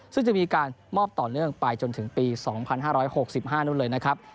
ซึ่งจะมีการมอบต่อเนื่องไปจนถึงปี๒๕๖๕นู้นเลยนะครับ